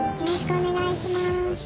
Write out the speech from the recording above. お願いします。